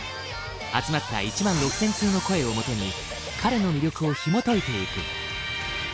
集まった１万６，０００通の声をもとに彼の魅力をひもといていく。